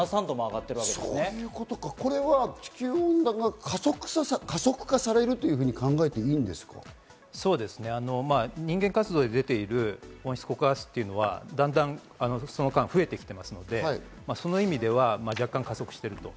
これは地球温暖化が加速化されると人間活動で出ている温室効果ガスというのは、だんだんその間、増えてきていますので、その意味では若干加速していると。